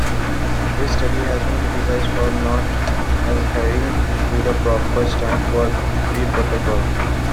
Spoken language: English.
This study has been criticized for not adhering to the proper Stanford V protocol.